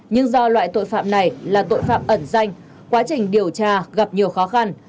nhưng do loại tội phạm này là tội phạm ẩn danh quá trình điều tra gặp nhiều khó khăn